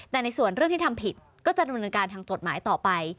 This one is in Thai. แต่ในส่วนเรื่องที่ทำผิดก็จะดำเนินการทางกฎหมายต่อไป